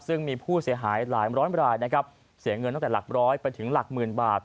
ซึ่งมีผู้เสียหายหลายร้อยรายนะครับเสียเงินตั้งแต่หลักร้อยไปถึงหลักหมื่นบาท